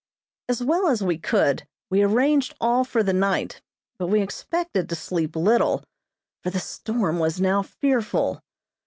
As well as we could we arranged all for the night, but we expected to sleep little, for the storm was now fearful.